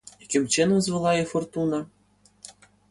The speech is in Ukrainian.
Яким чином звела їх фортуна?